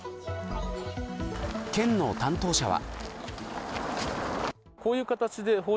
県の担当者は。